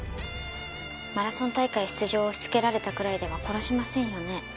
マラソン大会出場を押し付けられたくらいでは殺しませんよね？